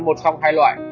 một trong hai loại